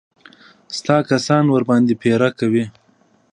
ستا کسان ورباندې پيره کوي.